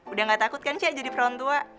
udah nggak takut kan cak jadi perawan tua